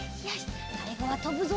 さいごはとぶぞ！